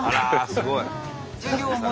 すごい！